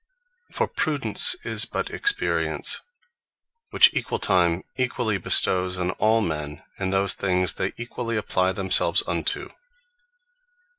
For Prudence, is but Experience; which equall time, equally bestowes on all men, in those things they equally apply themselves unto.